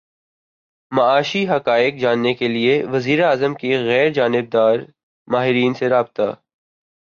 معاشی حقائق جاننے کیلیے وزیر اعظم کے غیر جانبدار ماہرین سے رابطے